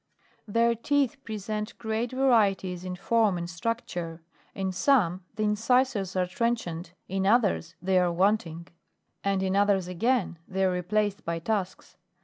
14. Their teeth present great varieties in form and structure ; in some, the incisors are trenchant, in others they are wanting ; and in others again they are replaced by tusks.